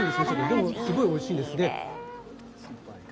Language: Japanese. でもすごいおいしいです。